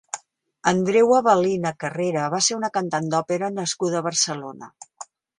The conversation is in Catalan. Andreua Avel·lina Carrera va ser una cantant d'òpera nascuda a Barcelona.